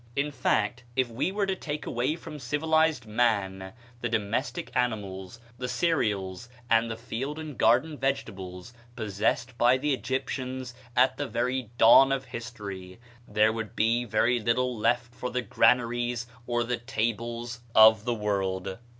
In fact, if we were to take away from civilized man the domestic animals, the cereals, and the field and garden vegetables possessed by the Egyptians at the very dawn of history, there would be very little left for the granaries or the tables of the world.